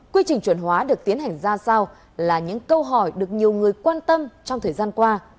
quy trình chuẩn hóa được tiến hành ra sao là những câu hỏi được nhiều người quan tâm trong thời gian qua